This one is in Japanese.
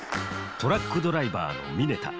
トラックドライバーの峯田。